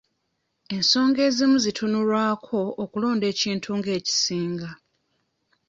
Ensonga ezimu zitunulwako okulonda ekintu ng'ekisinga.